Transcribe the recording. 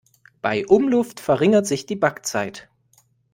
Bei Umluft verringert sich die Backzeit.